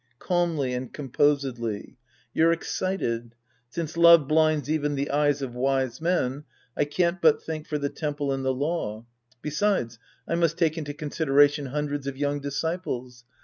Calmly and composedly. You're excited. Since love blinds even the eyes of wise men, I can't but think for the temple and the law. Besides, I must take into consideration hundreds of young disciples.